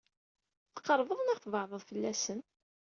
Tqeṛbeḍ neɣ tbeɛdeḍ fell-asen?